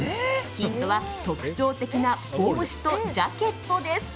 ヒントは特徴的な帽子とジャケットです。